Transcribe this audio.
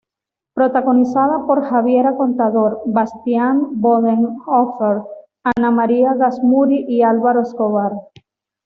Protagonizada por Javiera Contador, Bastián Bodenhöfer, Ana María Gazmuri y Álvaro Escobar.